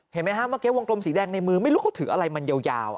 เห็นไหมฮะเมื่อกี้วงกลมสีแดงในมือไม่รู้เขาถืออะไรมันยาว